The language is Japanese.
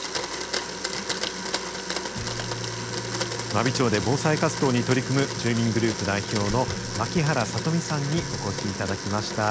真備町で防災活動に取り組む住民グループ代表の槙原聡美さんにお越しいただきました。